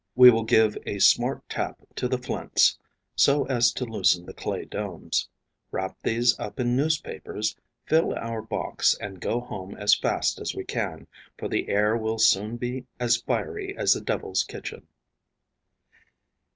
We will give a smart tap to the flints so as to loosen the clay domes, wrap these up in newspapers, fill our box and go home as fast as we can, for the air will soon be as fiery as the devil's kitchen.